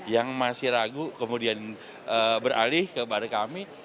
yang masih ragu kemudian beralih kepada kami